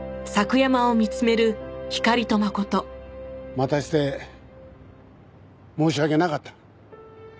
待たせて申し訳なかった。